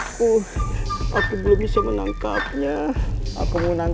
kamu dalamkah menganggapi ayam ini kata kakang